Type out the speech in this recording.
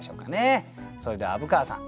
それでは虻川さん